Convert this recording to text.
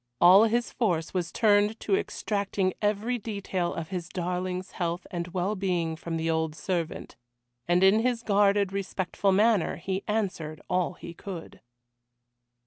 All his force was turned to extracting every detail of his darling's health and well being from the old servant, and in his guarded, respectful manner he answered all he could.